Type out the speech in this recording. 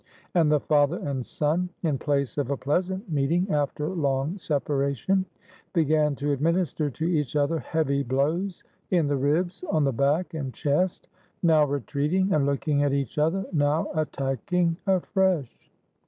And the father and son, in place of a pleasant meeting after long separation, began to administer to each other heavy blows in the ribs, on the back and chest, now re treating and looking at each other, now attacking afresh.